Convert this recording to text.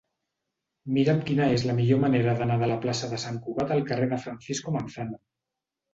Mira'm quina és la millor manera d'anar de la plaça de Sant Cugat al carrer de Francisco Manzano.